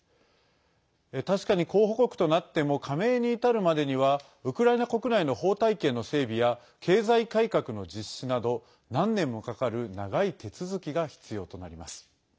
確かに候補国となっても加盟に至るまでにはウクライナ国内の法体系の整備や経済改革の実施など何年もかかる長い手続きが必要となります。